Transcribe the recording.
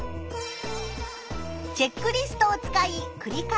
チェックリストを使いくり返し練習する。